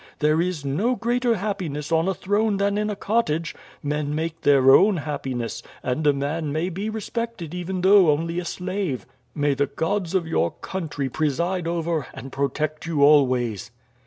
There is no greater happiness on a throne than in a cottage. Men make their own happiness, and a man may be respected even though only a slave. May the gods of your country preside over and protect you always."